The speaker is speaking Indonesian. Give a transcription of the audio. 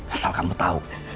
asal kamu tahu